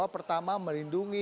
yang pertama merindungi